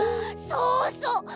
そうそう。